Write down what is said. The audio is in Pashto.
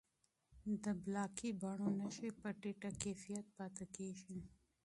د بلاکي بڼو نښې په ټیټه کیفیت پاتې کېږي.